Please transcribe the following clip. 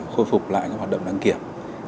khôi phục lại các hoạt động đăng kiểm